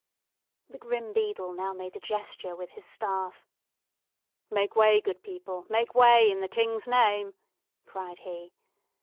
The grim beadle now made a gesture with his staff. "Make way, good people—make way, in the King's name!" cried he.